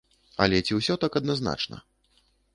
Але ці ўсё так адназначна?